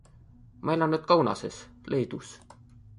Ma elan nüüd Kaunases, Leedus.